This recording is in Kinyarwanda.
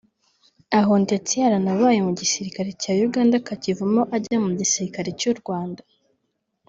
aho ndetse yaranabaye mu gisirikare cya Uganda akakivamo ajya mu gisirikare cy’u Rwanda